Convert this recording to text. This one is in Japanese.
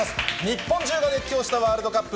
日本中が熱狂したワールドカップ。